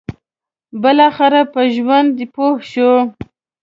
بالاخره په ژوند پوه شو.